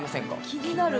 気になる。